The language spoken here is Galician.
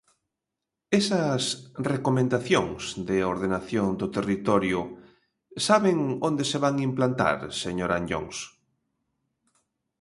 Esas recomendacións de ordenación do territorio ¿saben onde se van implantar, señor Anllóns?